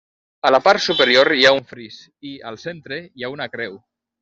A la part superior hi ha un fris i, al centre, hi ha una creu.